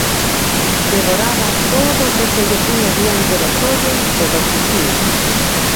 Devoraba todo o que se lle puña diante dos ollos e do fuciño.